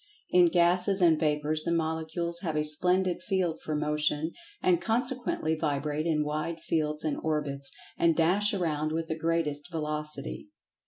In gases and vapors the Molecules have a splendid field for Motion, and consequently vibrate in wide fields and orbits, and dash around with the greatest velocity.